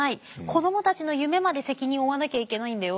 子どもたちの夢まで責任を負わなきゃいけないんだよ」